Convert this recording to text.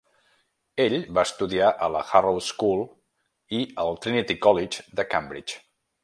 Ell va estudiar a la Harrow School i al Trinity College de Cambridge.